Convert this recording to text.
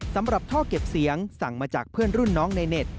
สำหรับท่อเก็บเสียงสั่งมาจากเพื่อนรุ่นน้องในเน็ต